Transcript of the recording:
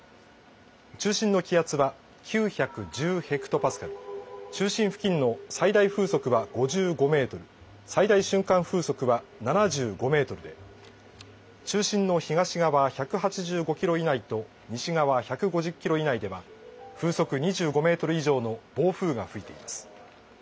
中心の気圧は９１０ヘクトパスカル、中心付近の最大風速は５５メートル、最大瞬間風速は７５メートルで中心の東側１８５キロ以内と西側１５０キロ以内では風速２５メートル以上の暴風が吹いています。